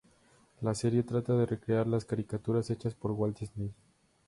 La serie trata de recrear las caricaturas hechas por Walt Disney.